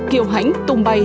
kiều hãnh tùng bày